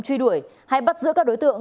truy đuổi hay bắt giữa các đối tượng